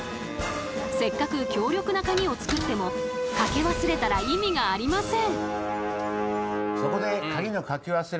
せっかく強力なカギを作ってもかけ忘れたら意味がありません。